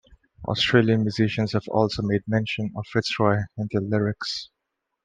Australian musicians have also made mention of Fitzroy in their lyrics.